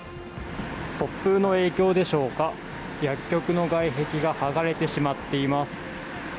突風の影響でしょうか、薬局の外壁が剥がれてしまっています。